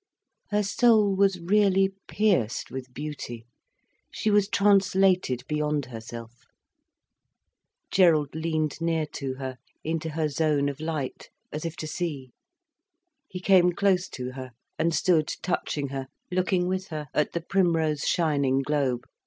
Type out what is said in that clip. Her soul was really pierced with beauty, she was translated beyond herself. Gerald leaned near to her, into her zone of light, as if to see. He came close to her, and stood touching her, looking with her at the primrose shining globe.